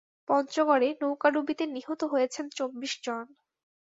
পঞ্চগড়ে নৌকাডুবিতে নিহত হয়েছেন চব্বিশ জন।